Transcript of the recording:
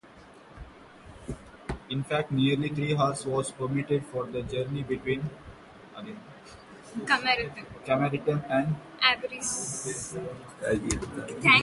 In fact, nearly three hours was permitted for the journey between Carmarthen and Aberystwyth.